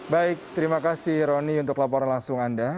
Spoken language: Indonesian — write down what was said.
baik terima kasih roni untuk laporan langsung anda